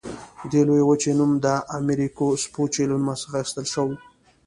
دې لویې وچې نوم د امریکو سپوچي له نوم څخه اخیستل شوی.